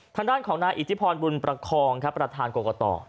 ทางด้านของนายอิทธิพรบุญประคองครับประธานกรกต